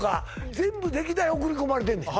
全部歴代送り込まれてんねん